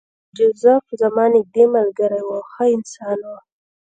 جوزف زما نږدې ملګری و او ښه انسان و